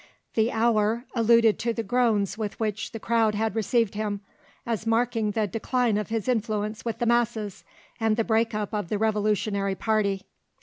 THE HOUR alluded to the groans with which the crowd had received him, as marking the decline of his influence with the masses and the break up of the Revolutionary party.